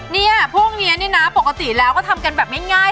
เนี่ยพวกนี้เนี่ยนะปกติแล้วก็ทำกันแบบง่าย